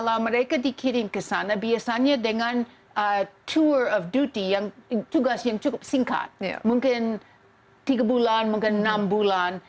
kalau mereka dikirim ke sana biasanya dengan tour of duty yang tugas yang cukup singkat mungkin tiga bulan mungkin enam bulan